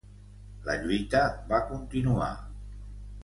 La lluita va continuar.